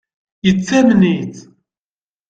Yettamen-itt?